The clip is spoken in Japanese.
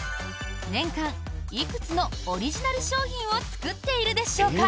年間いくつのオリジナル商品を作っているでしょうか？